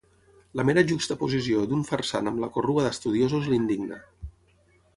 La mera juxtaposició d'un farsant amb la corrua d'estudiosos l'indigna.